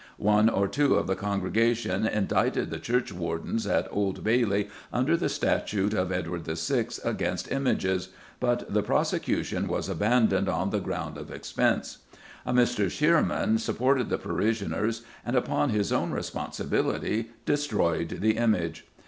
One or two of the congregation indicted the churchwardens "at Old Bailey, under the statute of Edward VI., against images," but the prosecution was abandoned on the ground of expense. A Mr. Shearman supported the parishioners, "and upon his own responsibility destroyed the image."